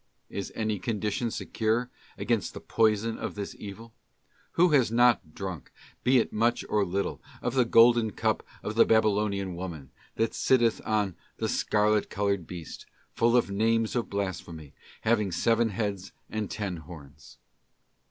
'?* Is any condition secure against the poison of this evil? Who has ' not drunk, be it much or little, of the golden cup of the Babylonian woman, that sitteth on the 'scarlet coloured beast, full of names of blasphemy, having seven heads and ten horns?